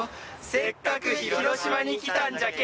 「せっかく広島に来たんじゃけ」